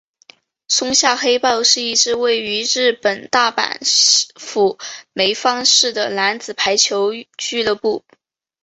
松下黑豹是一支位于日本大阪府枚方市的男子排球俱乐部。